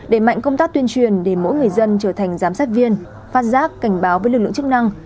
để mạnh công tác tuyên truyền để mỗi người dân trở thành giám sát viên phát giác cảnh báo với lực lượng chức năng